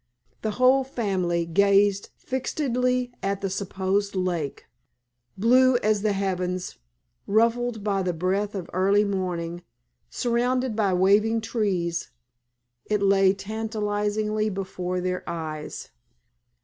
The whole family gazed fixedly at the supposed "lake." Blue as the heavens, ruffled by the breath of early morning, surrounded by waving trees, it lay tantalizingly before their eyes.